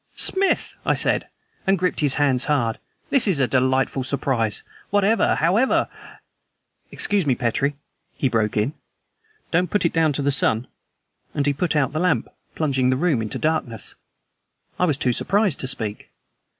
"Smith," I said, and gripped his hands hard, "this is a delightful surprise! Whatever however " "Excuse me, Petrie!" he broke in. "Don't put it down to the sun!" And he put out the lamp, plunging the room into darkness. I was too surprised to speak.